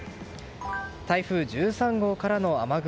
台風１３号からの雨雲